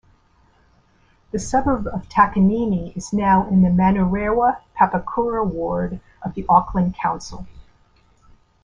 The suburb of Takanini is now in the Manurewa-Papakura Ward of the Auckland Council.